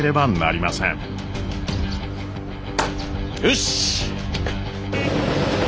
よし！